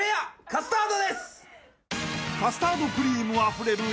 ［カスタードクリームあふれる］